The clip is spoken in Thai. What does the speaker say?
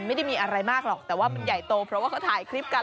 ไม่ได้มีอะไรมากหรอกแต่ว่ามันใหญ่โตเพราะว่าเขาถ่ายคลิปกัน